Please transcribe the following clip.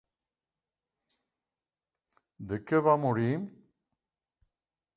De què va morir?